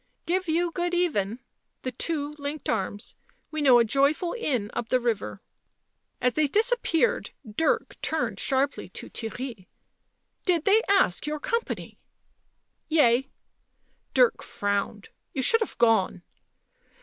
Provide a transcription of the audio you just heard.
" Give you good even." The two linked arms. " We know a joyful inn up the river." As they disappeared Dirk turned sharply to Theirry. "Did they ask your company?" " Yea." Dirk frowned. " You should have gone."